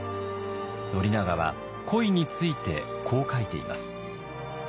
宣長は恋についてこう書いています。